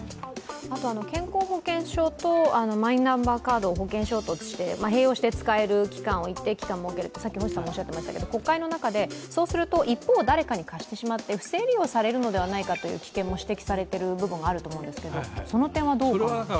あと健康保険証とマイナンバーカードを併用して使える期間を一定期間設けるとおっしゃってましたけど国会の中で、そうすると一方を誰かに貸してしまって不正利用されるのではないかという危険も指摘されていますがその点はどう考えますか。